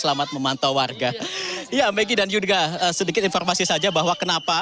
selamat memantau warga ya megi dan juga sedikit informasi saja bahwa kenapa